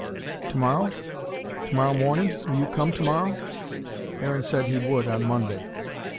Tomorrow? Tomorrow morning? Will you come tomorrow?" Aaron said he would on Monday.